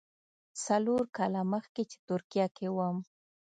څلور کاله مخکې چې ترکیه کې وم.